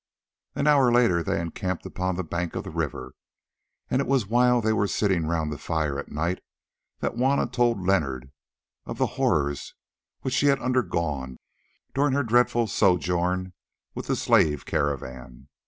An hour later they encamped upon the bank of the river, and it was while they were sitting round the fire at night that Juanna told Leonard of the horrors which she had undergone during her dreadful sojourn with the slave caravan.